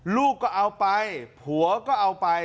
ลูกก็เอาไปผัวก็เอาไป